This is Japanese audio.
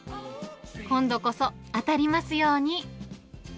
今度こそ当たりますように。